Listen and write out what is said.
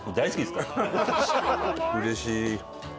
うれしい。